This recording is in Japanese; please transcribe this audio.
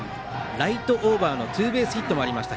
ライトオーバーのツーベースヒットもありました。